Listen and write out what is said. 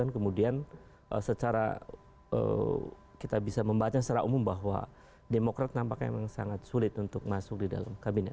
kemudian secara kita bisa membaca secara umum bahwa demokrat nampaknya memang sangat sulit untuk masuk di dalam kabinet